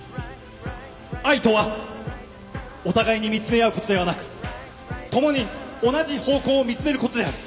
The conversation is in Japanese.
「愛とはお互いに見詰め合うことではなく共に同じ方向を見詰めることである」